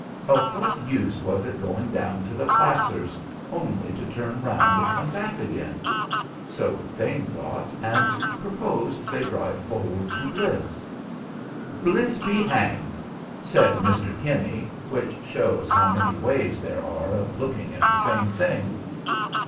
Of what use was it going down to the placers only to turn round and come back again? So Thane thought, and proposed they drive forward to Bliss. "Bliss be hanged!" said Mr. Kinney; which shows how many ways there are of looking at the same thing.